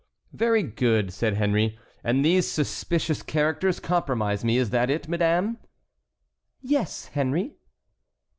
"Very good," said Henry, "and these suspicious characters compromise me; is that it, madame?" "Yes, Henry."